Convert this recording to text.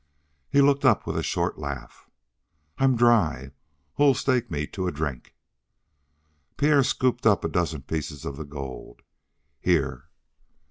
He looked up with a short laugh. "I'm dry. Who'll stake me to a drink?" Pierre scooped up a dozen pieces of the gold. "Here."